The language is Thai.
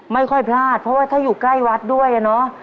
ไม่ค่อยพลาดเพราะว่าถ้าอยู่ใกล้วัดด้วยอะเนาะ